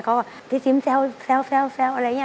เขาที่ซิมแซวอะไรอย่างนี้